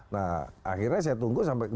nah akhirnya saya tunggu sampai